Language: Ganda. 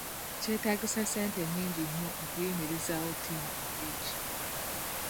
Kyetaagisa ssente nyingi nnyo okuyimirizaawo ttiimu mu liigi.